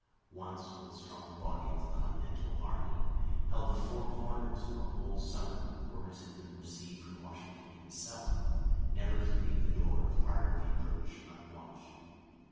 Once, when a strong body of the continental army held the Four Corners for a whole summer, orders had been received from Washington himself, never to leave the door of Harvey Birch unwatched.